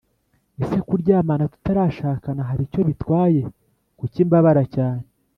Ese kuryamana tutarashakana hari icyo bitwaye kuki mbabara cyane